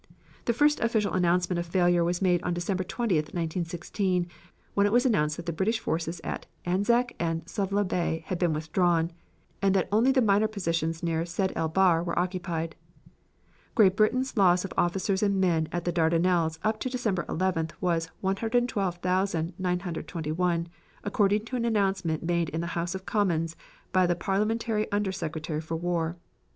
The first official announcement of failure was made December 20, 1916, when it was announced that the British forces at Anzac and Suvla Bay had been withdrawn, and that only the minor positions near Sedd el Bahr were occupied. Great Britain's loss of officers and men at the Dardanelles up to December 11th was 112,921, according to an announcement made in the House of Commons by the Parliamentary Under Secretary for War.